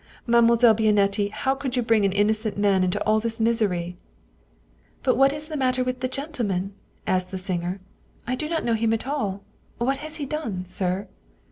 Mademoiselle Bianetti, how could you bring an innocent man into all this misery ?"" But what is the matter with the gentleman ?" asked the singer. " I do not know him at all. What has he done, sir?"